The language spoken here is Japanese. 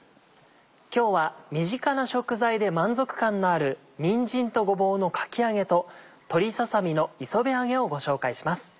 今日は身近な食材で満足感のある「にんじんとごぼうのかき揚げ」と「鶏ささ身の磯辺揚げ」をご紹介します。